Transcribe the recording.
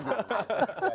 itu adalah banana